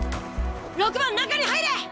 ６番中に入れ！